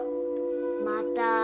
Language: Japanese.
また！